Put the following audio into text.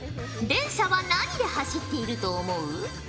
電車は何で走っていると思う？